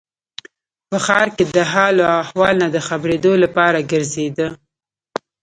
په ښار کې د حال و احوال نه د خبرېدو لپاره ګرځېده.